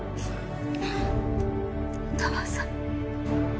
お父さん。